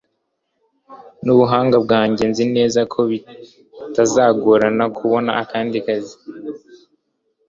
Nubuhanga bwawe, nzi neza ko bitazagorana kubona akandi kazi.